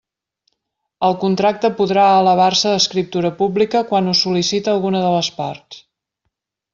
El contracte podrà elevar-se a escriptura pública quan ho sol·licite alguna de les parts.